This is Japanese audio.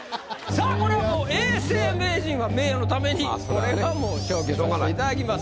さあこれはもう永世名人は名誉のためにこれはもう消去させていただきます。